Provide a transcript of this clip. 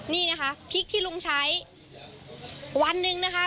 นี่นะคะพริกที่ลุงใช้วันหนึ่งนะคะ